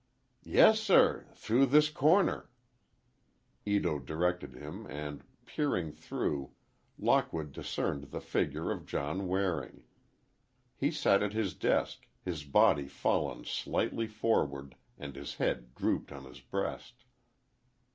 "Yes, sir, through this corner," Ito directed him, and, peering through, Lockwood discerned the figure of John Waring. He sat at his desk, his body fallen slightly forward, and his head drooped on his breast.